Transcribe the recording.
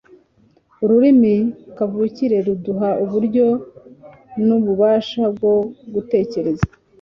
Ururimi kavukire ruduha uburyo n’ububasha bwo gutekereza,